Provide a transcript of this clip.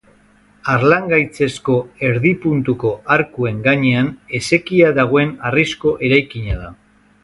Harlangaitzezko erdi-puntuko arkuen gainean esekia dagoen harrizko eraikina da.